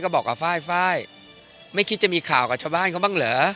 ก็บอกว่าฝ้ายไม่คิดจะมีข่าวกับชาวบ้านเขาบ้างเหรอ